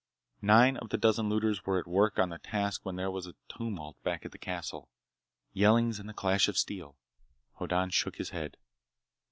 Nine of the dozen looters were at work on the task when there was a tumult back in the castle. Yellings and the clash of steel. Hoddan shook his head.